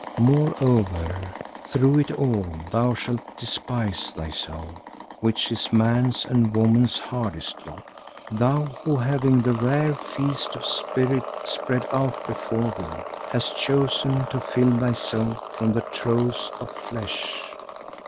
Moreover through it all thou shalt despise thyself, which is man's and woman's hardest lot, thou who having the rare feast of spirit spread out before thee, hast chosen to fill thyself from the troughs of flesh.